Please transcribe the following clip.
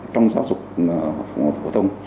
trong giáo dục phổ thông